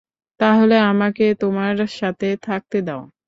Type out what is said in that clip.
তাহলে আমাকে তোমার সাথে থাকতে দাও।